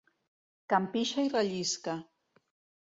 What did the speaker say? Can pixa i rellisca.